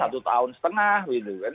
satu tahun setengah gitu kan